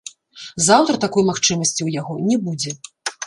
Заўтра такой магчымасці ў яго не будзе.